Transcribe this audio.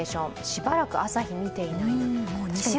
しばらく朝日見ていないな。